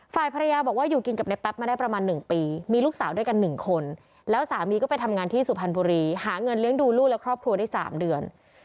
ฝ่ายภรรยาบอกว่าอยู่กินกับในแป๊บมาได้ประมาณ๑ปีมีลูกสาวด้วยกัน๑คนแล้วสามีก็ไปทำงานที่สุพรรณบุรีหาเงินเลี้ยงดูลูกและครอบครัวได้๓เดือน